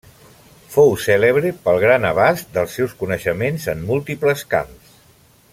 Fou cèlebre pel gran abast dels seus coneixements en múltiples camps.